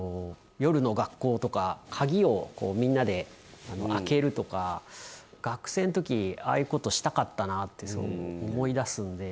夜の学校とか鍵をみんなで開けるとか学生の時ああいうことしたかったなって思い出すんで。